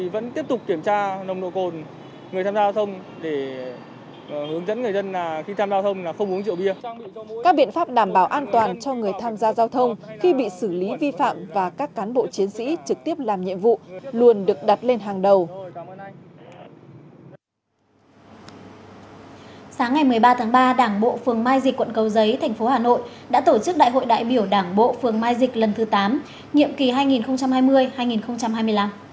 bộ y tế quận cầu giấy tp hà nội đã tổ chức đại hội đại biểu đảng bộ phường mai dịch lần thứ tám nhiệm kỳ hai nghìn hai mươi hai nghìn hai mươi năm